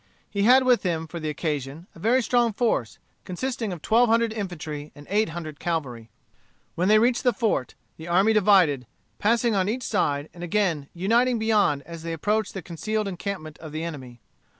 He had with him, for the occasion, a very strong force, consisting of twelve hundred infantry and eight hundred cavalry. When they reached the fort, the army divided, passing on each side, and again uniting beyond, as they approached the concealed encampment of the enemy.